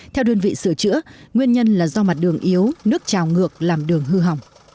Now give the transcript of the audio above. theo đơn vị sửa chữa nguyên nhân là do mặt đường yếu nước trào ngược làm đường hư hỏng